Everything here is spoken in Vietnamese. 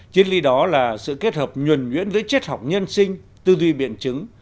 triết lý đó là sự kết hợp nhuẩn nhuyễn với chất học nhân sinh tư duy biện chứng